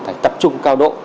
phải tập trung cao độ